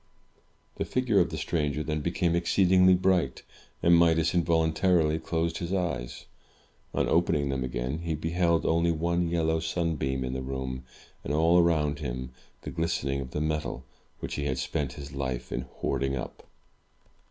The figure of the stranger then became exceedingly bright, and Midas involuntarily closed his eyes. On opening them again, he beheld only one yellow sunbeam in the room, and, all around him, the glistening of the metal which he had spent his life in hoarding up.